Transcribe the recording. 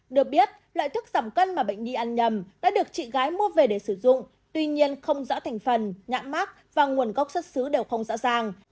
được biết loại thuốc giảm cân mà bệnh đi ăn nhầm đã được chị gái mua về để sử dụng tuy nhiên không rõ thành phần nhãn mắc và nguồn gốc xuất xứ đều không rõ ràng